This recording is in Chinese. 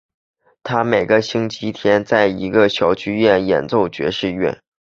他们每个星期天在一个小剧院演奏爵士乐。